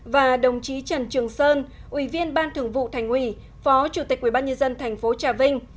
và đồng chí trần trường sơn ủy viên ban thường vụ thành ủy phó chủ tịch quy bát nhân dân thành phố trà vinh